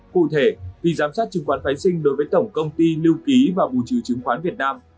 cụ thể khi giám sát chứng khoán phái sinh đối với tổng công ty lưu ký và bù trừ chứng khoán việt nam